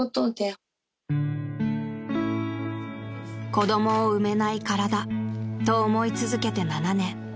［子供を産めない体と思い続けて７年］